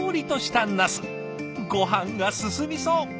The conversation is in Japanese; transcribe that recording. ごはんが進みそう！